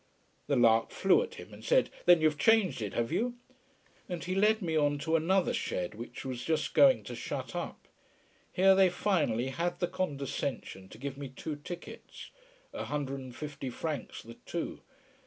The lark flew at him and said "Then you've changed it, have you?" And he led me on to another shed, which was just going to shut up. Here they finally had the condescension to give me two tickets a hundred and fifty francs the two.